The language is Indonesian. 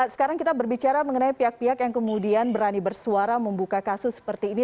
sekarang kita berbicara mengenai pihak pihak yang kemudian berani bersuara membuka kasus seperti ini